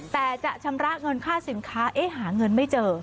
แต่จะชำระเงินค่าสินค้าเอ๊ะหาเงินไม่เจอ